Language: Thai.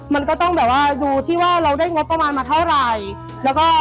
มันก็ต้องแบบว่าดูที่ว่าเราได้งบประมาณมาเท่าไหร่แล้วก็